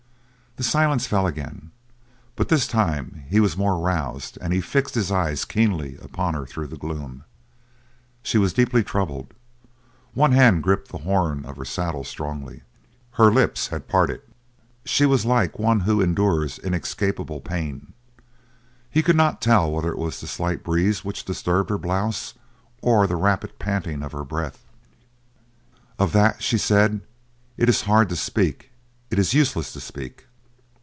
The silence fell again, but this time he was more roused and he fixed his eyes keenly upon her through the gloom. She was deeply troubled; one hand gripped the horn of her saddle strongly; her lips had parted; she was like one who endures inescapable pain. He could not tell whether it was the slight breeze which disturbed her blouse or the rapid panting of her breath. "Of that," she said, "it is hard to speak it is useless to speak!"